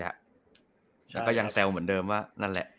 แล้วก็ยังแซวเหมือนเดิมว่านั่นแหละ